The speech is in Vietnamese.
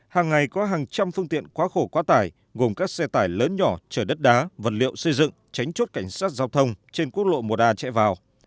hàng ngày có hàng trăm phương tiện quá khổ quá tải gồm các xe tải lớn nhỏ chở đất đá vật liệu xây dựng tránh chốt cảnh sát giao thông trên quốc lộ một a chạy vào